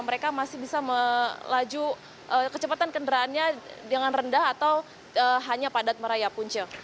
mereka masih bisa melaju kecepatan kendaraannya dengan rendah atau hanya padat meraya punca